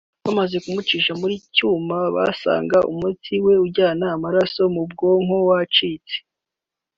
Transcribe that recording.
bamaze kumucisha muri cyuma basanga umutsi we ujyana amaraso ku bwonko wacitse”